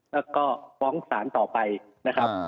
แล้วก็ฟ้องสารต่อไปนะครับ